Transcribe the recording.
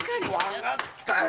わかったよ